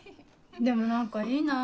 でも何かいいな。